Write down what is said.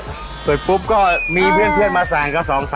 แล้วปุ๊บก็มีเพื่อนมาสั่งกับ๒๓คน